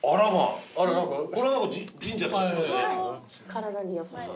体に良さそう。